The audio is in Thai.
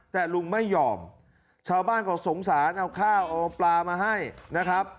แต่ลุงไม่ยอมชาวบ้านก็สงสารเอาข้าวเอาปลามาให้นะครับ